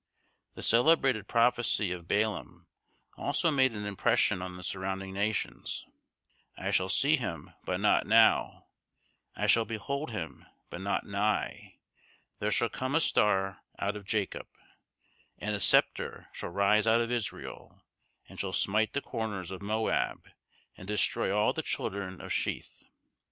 The celebrated prophecy of Balaam, also made an impression on the surrounding nations; "I shall see him, but not now; I shall behold him, but not nigh; there shall come a star out of Jacob, and a sceptre shall rise out of Israel, and shall smite the corners of Moab, and destroy all the children of Sheth."